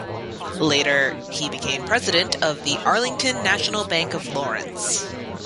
Later, he became president of the Arlington National Bank of Lawrence.